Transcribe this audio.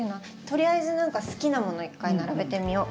とりあえず何か好きなもの一回並べてみよ。